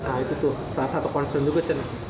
nah itu tuh salah satu concern juga